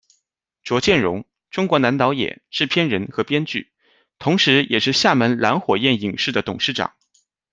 卓建荣，中国男导演、制片人和编剧，同时也是厦门蓝火焰影视的董事长。